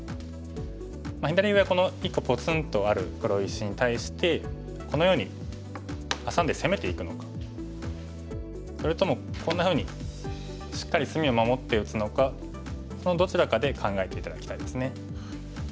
この１個ぽつんとある黒石に対してこのようにハサんで攻めていくのかそれともこんなふうにしっかり隅を守って打つのかそのどちらかで考えて頂きたいですね。